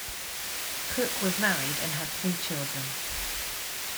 Cook was married and had three children.